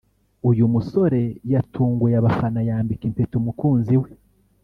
uyu musore yatunguye abafana yambika impeta umukunzi we